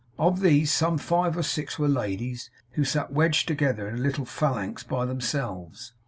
Of these some five or six were ladies, who sat wedged together in a little phalanx by themselves.